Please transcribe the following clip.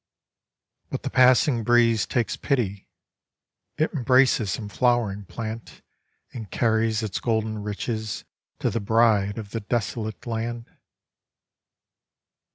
But the passing breeze takes pity, it embraces some flowering plant and carries its golden riches to the bride of the desolate land.